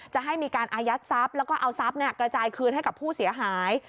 จะให้มีการอายัดทรัพย์แล้วก็เอาทรัพย์กระจายคืนให้กับผู้เสียหาย